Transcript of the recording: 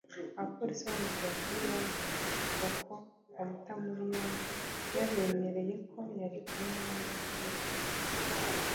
Abapolisi bamutaye muri yombi baravuga ko bamuta muri yombi yabemereye ko yari kumwe na Mowzey Radio